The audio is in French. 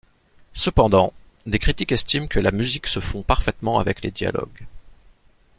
Cependant, des critiques estiment que la musique se fond parfaitement avec les dialogues.